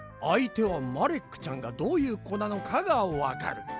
あいてはマレックちゃんがどういうこなのかがわかる。